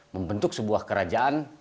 membentuk sebuah kerajaan